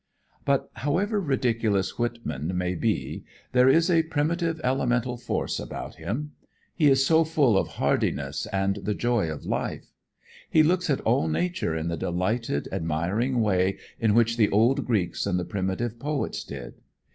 But however ridiculous Whitman may be there is a primitive elemental force about him. He is so full of hardiness and of the joy of life. He looks at all nature in the delighted, admiring way in which the old Greeks and the primitive poets did.